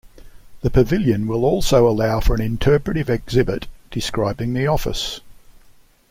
The pavilion will also allow for an interpretive exhibit describing the office.